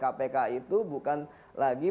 kpk itu bukan lagi